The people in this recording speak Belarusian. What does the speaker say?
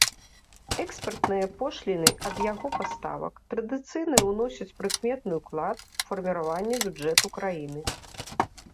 Экспартныя пошліны ад яго паставак традыцыйна ўносяць прыкметны ўклад у фарміраванне бюджэту краіны.